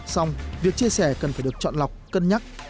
xong việc chia sẻ cần phải được chọn lọc cân nhắc